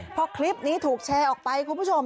พอคลิปนี้ถูกแชร์ออกไปคุณผู้ชม